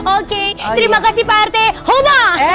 oke terima kasih pak rt hooh mah